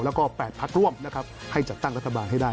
แล้วก็๘พักร่วมนะครับให้จัดตั้งรัฐบาลให้ได้